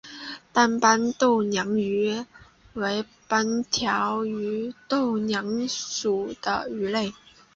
单斑豆娘鱼为雀鲷科豆娘鱼属的鱼类。